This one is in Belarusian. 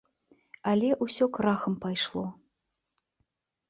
Але ўсё крахам пайшло.